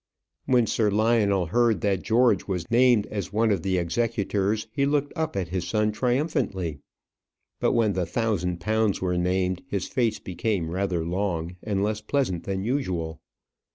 When Sir Lionel heard that George was named as one of the executors, he looked up at his son triumphantly; but when the thousand pounds were named, his face became rather long, and less pleasant than usual.